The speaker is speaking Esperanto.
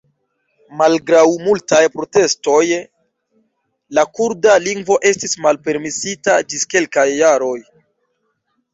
Malgraŭ multaj protestoj la kurda lingvo estis malpermesita ĝis kelkaj jaroj.